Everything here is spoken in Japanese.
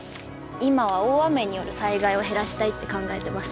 今は大雨による災害を減らしたいって考えてます。